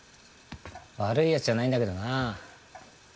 悪いやつじゃないんだけどな